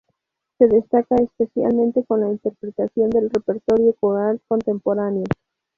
Se destaca especialmente en la interpretación del repertorio coral contemporáneo.